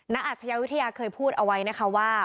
อาชญาวิทยาเคยพูดเอาไว้นะคะว่า